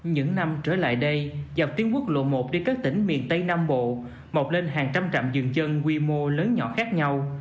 những năm trở lại đây dọc tuyến quốc lộ một đi các tỉnh miền tây nam bộ mọc lên hàng trăm trạm dừng chân quy mô lớn nhỏ khác nhau